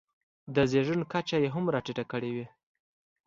د زېږون کچه یې هم راټیټه کړې وي.